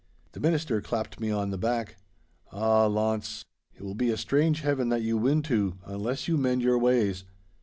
The minister clapped me on the back. 'Ah, Launce, it will be a strange Heaven that you win to, unless you mend your ways.